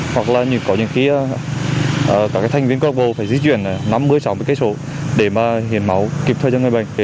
hoặc có những khi các thành viên câu lạc bộ phải di chuyển năm mươi sáu mươi km để hiến máu kịp thời cho người bệnh